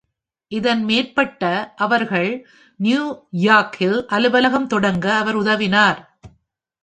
இதன் மேற்பட, அவர்கள் நியூ யார்க்கில் அலுவலகம் தொடங்க அவர் உதவினார்.